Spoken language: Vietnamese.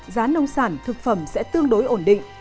giá nông sản thực phẩm sẽ tương đối ổn định